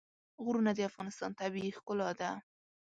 غرونه د افغانستان طبیعي ښکلا ده.